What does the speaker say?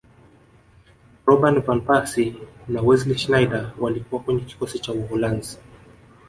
robin van persie na wesley snejder walikuwa kwenye kikosi cha uholanzi